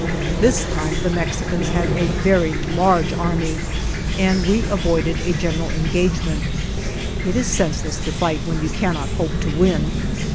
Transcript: This time the Mexicans had a very large army, and we avoided a general en gagement. It is senseless to fight when you cannot hope to win.